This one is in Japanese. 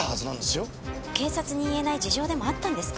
警察に言えない事情でもあったんですか？